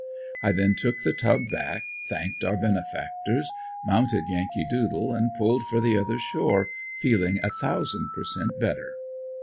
I then took the tub back thanked our benefactors, mounted Yankee doodle and pulled for the other shore feeling a thousand per cent. better.